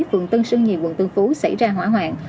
phường tân sơn nhì quận tân phú xảy ra hỏa hoạn